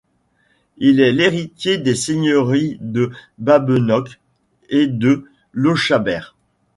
Il est l'héritier des seigneuries de Badenoch et de Lochaber.